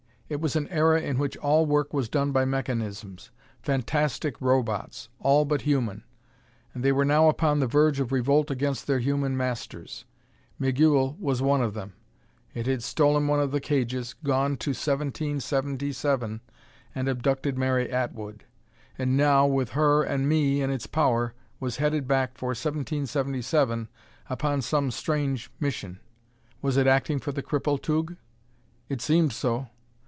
It was an era in which all work was done by mechanisms fantastic Robots, all but human! And they were now upon the verge of revolt against their human masters! Migul was one of them. It had stolen one of the cages, gone to 1777 and abducted Mary Atwood; and now, with her and me in its power, was headed back for 1777 upon some strange mission. Was it acting for the cripple Tugh? It seemed so.